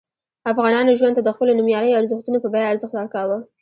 افغانانو ژوند ته د خپلو نوميالیو ارزښتونو په بیه ارزښت ورکاوه.